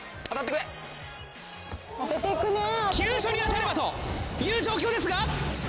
きゅうしょに当たればという状況ですが。